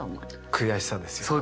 悔しさですよ。